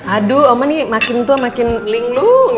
aduh oma nih makin tua makin linglung